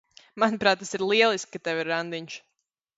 Manuprāt, tas ir lieliski, ka tev ir randiņš.